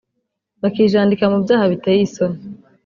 bakijandika mu byaha biteye isoni